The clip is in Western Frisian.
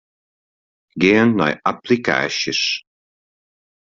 Gean nei applikaasjes.